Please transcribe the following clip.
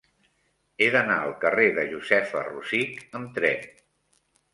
He d'anar al carrer de Josefa Rosich amb tren.